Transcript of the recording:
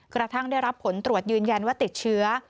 กระทั่งได้รับผลตรวจยืนยันว่าติดเชื้อ